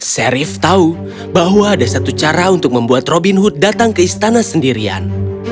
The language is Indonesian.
sherif tahu bahwa ada satu cara untuk membuat robin hood datang ke istana sendirian